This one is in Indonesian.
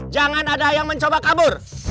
jangan ada yang mencoba kabur